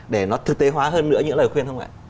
để nó thực tế hóa hơn nữa những lời khuyên không ạ